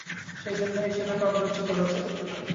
সেইজন্যেই সেটাকে অগ্রাহ্য করা চাই।